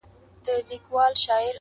امتياز يې د وهلو کُشتن زما دی٫